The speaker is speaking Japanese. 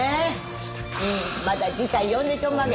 また次回呼んでちょんまげ。